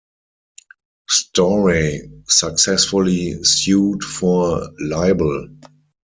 Storey successfully sued for libel.